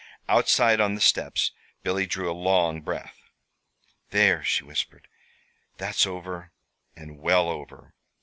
Outside, on the steps, Billy drew a long breath. "There," she whispered; "that's over and well over!"